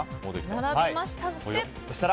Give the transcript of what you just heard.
並べました！